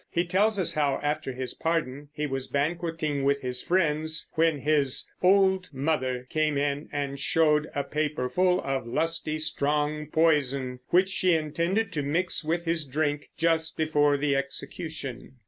He tells us how, after his pardon, he was banqueting with his friends, when his "old mother" came in and showed a paper full of "lusty strong poison," which she intended to mix with his drink just before the execution.